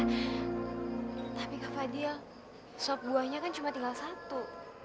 tapi kak fadil sop buahnya kan cuma tinggal satu